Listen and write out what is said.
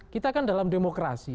kita kan dalam demokrasi